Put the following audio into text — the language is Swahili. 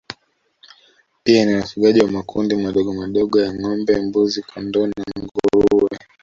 Pia ni wafugaji wa makundi madogomadogo ya ngombe mbuzi kondoo na nguruwe